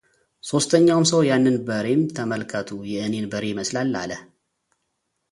ሶስተኛውም ሰው ያንን በሬም ተመልከቱ የእኔን በሬ ይመስላል አለ፡፡